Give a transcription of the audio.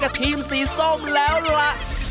ไปกับทีมสีส้มแล้วล่ะ